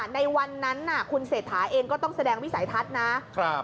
ในวันนั้นคุณเศรษฐาเองก็ต้องแสดงวิสัยทัศน์นะครับ